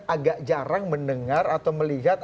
agak jarang mendengar atau melihat